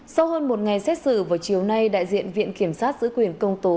sau hơn một ngày xét xử vào chiều nay đại diện viện kiểm sát giữ quyền công tố